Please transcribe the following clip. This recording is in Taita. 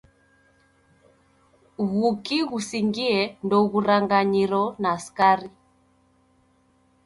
W'uki ghusingie ndoghuranganyiro na skari